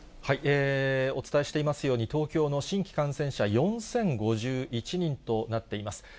お伝えしていますように、東京の新規感染者４０５１人となっています。